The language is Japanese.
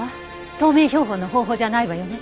透明標本の方法じゃないわよね？